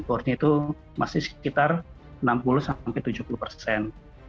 warnanya itu masih sekitar enam puluh tujuh puluh persen